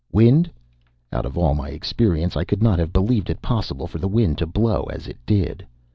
Wind? Out of all my experience I could not have believed it possible for the wind to blow as it did.